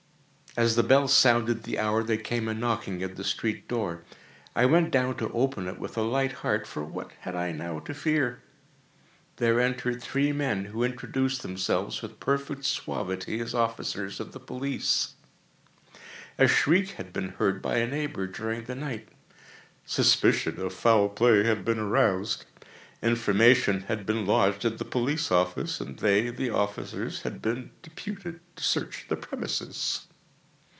As the bell sounded the hour, there came a knocking at the street door. I went down to open it with a light heart,—for what had I now to fear? There entered three men, who introduced themselves, with perfect suavity, as officers of the police. A shriek had been heard by a neighbour during the night; suspicion of foul play had been aroused; information had been lodged at the police office, and they (the officers) had been deputed to search the premises.